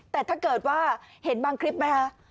แต่ถ้าเกิดว่าเห็นบางคลิปมั้ยครับ